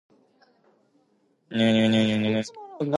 Those were the sorts of thing we had influence over.